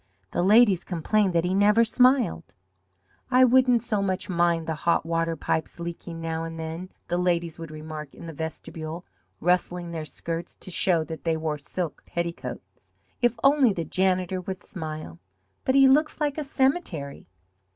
The ladies complained that he never smiled. "I wouldn't so much mind the hot water pipes leaking now and then," the ladies would remark in the vestibule, rustling their skirts to show that they wore silk petticoats, "if only the janitor would smile. But he looks like a cemetery."